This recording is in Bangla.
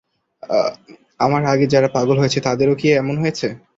আমার আগে যারা পাগল হয়েছে তাদেরও কি এমন হয়েছে?